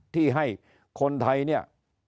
ที่ให้คนไทยเนี่ย